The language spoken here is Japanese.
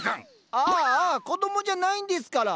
ああ子供じゃないんですから。